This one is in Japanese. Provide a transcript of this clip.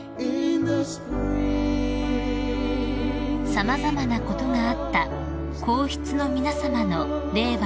［様々なことがあった皇室の皆さまの令和